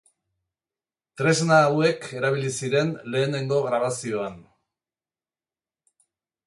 Tresna hauek erabili ziren lehenengo grabazioan.